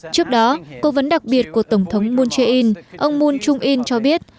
trước đó cố vấn đặc biệt của tổng thống moon jae in ông moon trung in cho biết